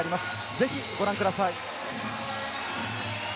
ぜひご覧ください。